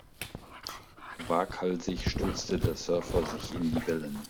Waghalsig stürzte der Surfer sich in die Wellen.